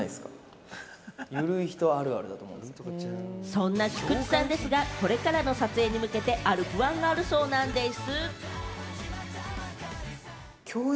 そんな菊池さんですが、これからの撮影に向けて、ある不安があるそうなんでぃす。